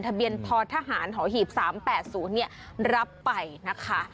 ทะเบียนพทหเห๓๘๐เนี่ยรับไปนะคะ